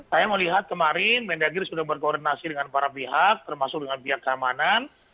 saya melihat kemarin mendagri sudah berkoordinasi dengan para pihak termasuk dengan pihak keamanan